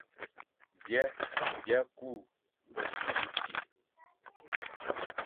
Byè bia kü besule éti,